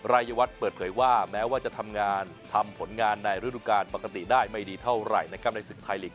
รายวัฒน์เปิดเผยว่าแม้ว่าจะทำงานทำผลงานในฤดูการปกติได้ไม่ดีเท่าไหร่นะครับในศึกไทยลีก